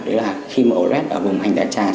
đó là khi mà ổ lết ở vùng hành dạ trang